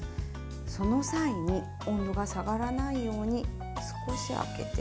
その際に温度が下がらないように少し開けて。